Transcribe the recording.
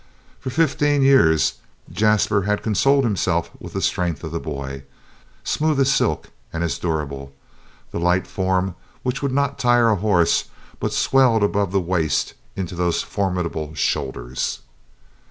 For fifteen years Jasper had consoled himself with the strength of the boy, smooth as silk and as durable; the light form which would not tire a horse, but swelled above the waist into those formidable shoulders.